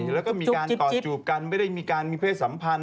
แล้วก็มีการกอดจูบกันไม่ได้มีการมีเพศสัมพันธ